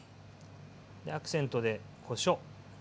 アクセントでこしょう。